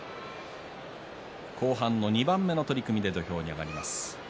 後半の２番目の土俵に上がります。